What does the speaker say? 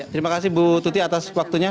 terima kasih bu tuti atas waktunya